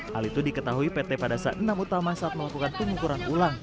hal itu diketahui pt padasa enam utama saat melakukan pengukuran ulang